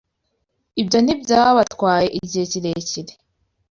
Ibyo ntibyabatwaye igihe kirekire